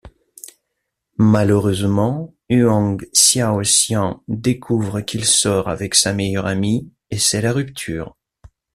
Malheureusement, Huang Xiaoxian découvre qu'il sort avec sa meilleure amie et c'est la rupture.